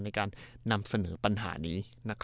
ในการนำเสนอปัญหานี้